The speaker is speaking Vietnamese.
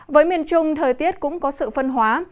với miền trung thời tiết cũng có sự phân hóa